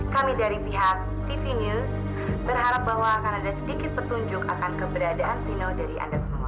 kami dari pihak tv news berharap bahwa akan ada sedikit petunjuk akan keberadaan final dari anda semua